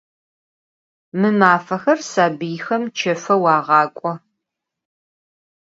Mı mafexer sabıyxem çefeu ağak'o.